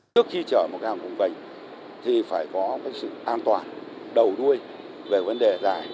trước khi chở một hàng công canh thì phải có sự an toàn đầu đuôi về vấn đề dài